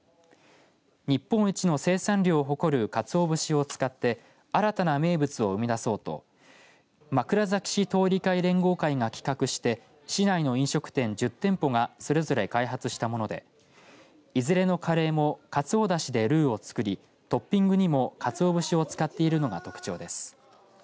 日本一の生産量を誇るかつお節を使って新たな名物を生み出そうと枕崎市通り会連合会が企画して市内の飲食店１０店舗がそれぞれ開発したものでいずれのカレーもかつおだしで、ルーを作りトッピングにもかつお節を使っているのが特徴です。